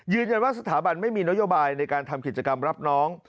ยืนยันว่าสถาบันไม่มีนโยบายในการทำกิจกรรมรับน้อง